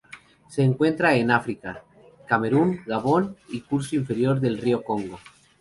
Se encuentran en África: Camerún, Gabón y curso inferior del río Congo.